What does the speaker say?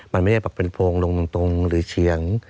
มันไม่ได้แบบเป็นโพงลงตรงหรือเชียง